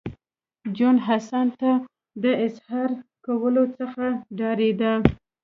جون حسن ته د اظهار کولو څخه ډارېده